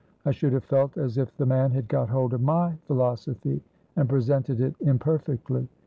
I should have felt as if the man had got hold of my philosophy, and presented it imperfectly.